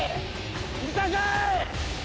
見たかい！